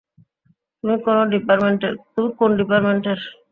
তুমি কোন ডিপার্টমেন্টের?